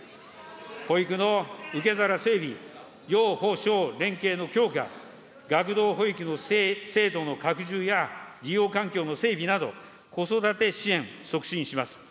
保育の受け皿整備、幼保小連携の強化、学童保育の制度の拡充や利用環境の整備など、子育て支援、促進します。